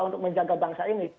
untuk menjaga bangsa ini